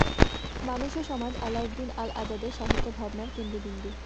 মানুষ ও সমাজ আলাউদ্দিন আল আজাদের সাহিত্য ভাবনার কেন্দ্রবিন্দু।